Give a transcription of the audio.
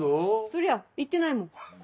そりゃ言ってないもん。